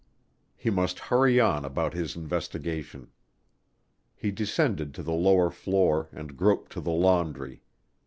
He must hurry on about his investigation. He descended to the lower floor and groped to the laundry.